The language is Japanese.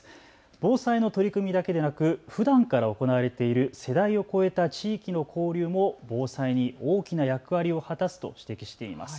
防災の取り組みだけでなくふだんから行われている世代をこえた地域の交流も防災に大きな役割を果たすと指摘しています。